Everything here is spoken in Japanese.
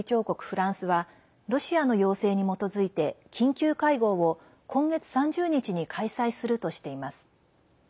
フランスはロシアの要請に基づいて緊急会合を今月３０日に開催するとしています。